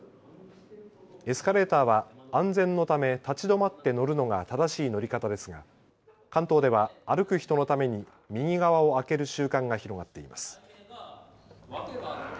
エスカレーターは安全のため立ち止まって乗るのが正しい乗り方ですが関東では歩く人のために右側を空ける習慣が広がっています。